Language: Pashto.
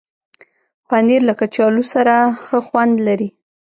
پنېر له کچالو سره ښه خوند لري.